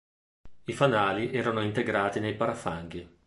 I fanali erano integrati nei parafanghi.